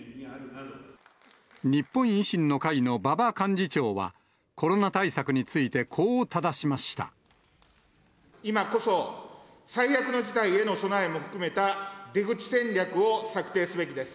日本維新の会の馬場幹事長は、コロナ対策について、こうただし今こそ、最悪の事態への備えも含めた、出口戦略を策定すべきです。